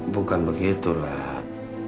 bukan begitu lah